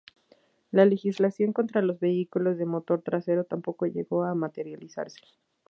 La legislación contra los vehículos de motor trasero tampoco llegó a materializarse.